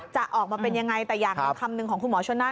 จะออกมาเป็นยังไงแต่อย่างหน่อยคำหนึ่งของคุณหมอชนะ